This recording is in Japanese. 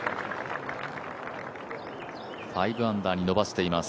５アンダーに伸ばしています。